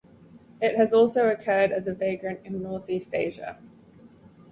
It has also occurred as a vagrant in northeast Asia.